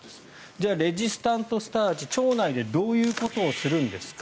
じゃあレジスタントスターチ腸内でどういうことをするんですか。